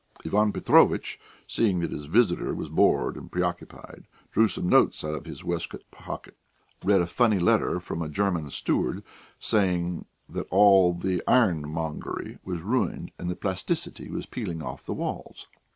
Ivan Petrovitch, seeing that his visitor was bored and preoccupied, drew some notes out of his waistcoat pocket, read a funny letter from a German steward, saying that all the ironmongery was ruined and the plasticity was peeling off the walls.